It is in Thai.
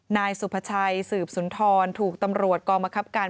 นายสุภาชัยสืบสุนทรถูกตำรวจกองบังคับการ